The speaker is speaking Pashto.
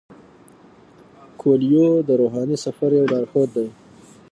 کویلیو د روحاني سفر یو لارښود دی.